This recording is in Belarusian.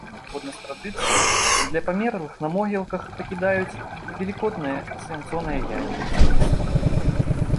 Згодна з традыцыяй, для памерлых на могілках пакідаюць велікоднае свянцонае яйка.